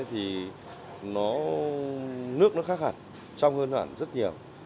thì nó nước nó khác hẳn trong hơn hẳn rất nhiều